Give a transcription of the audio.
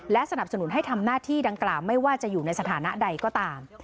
สนับสนุนให้ทำหน้าที่ดังกล่าวไม่ว่าจะอยู่ในสถานะใดก็ตาม